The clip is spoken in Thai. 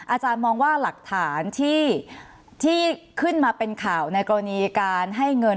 อาจารย์มองว่าหลักฐานที่ขึ้นมาเป็นข่าวในกรณีการให้เงิน